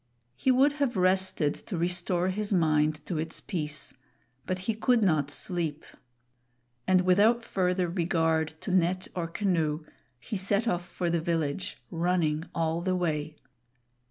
He would have rested to restore his mind to its peace, but he could not sleep; and without further regard to net or canoe, he set off for the village, running all the way.